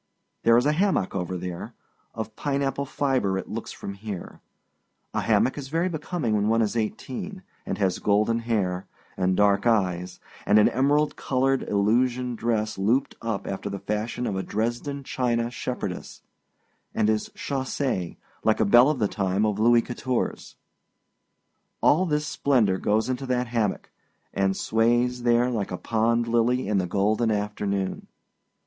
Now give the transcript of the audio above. There is a hammock over there of pineapple fibre, it looks from here. A hammock is very becoming when one is eighteen, and has golden hair, and dark eyes, and an emerald colored illusion dress looped up after the fashion of a Dresden china shepherdess, and is chaussee like a belle of the time of Louis Quatorze. All this splendor goes into that hammock, and sways there like a pond lily in the golden afternoon.